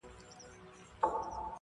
تاسو به کړے وي بلا انتظار ډزې کېدې